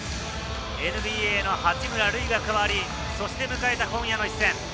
ＮＢＡの八村塁が加わり、そして迎えた今夜の一戦。